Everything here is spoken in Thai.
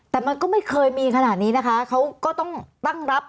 แต่มันก็ไม่เคยมีขนาดนี้นะคะเขาก็ต้องตั้งรับ